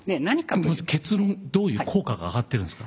まず結論どういう効果が上がってるんですか？